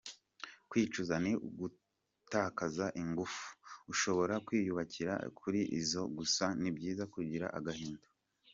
Kwicuza ni ugutakaza ingufu, ushobora kwiyubakira kuri zo; gusa ni byiza kugira agahinda”.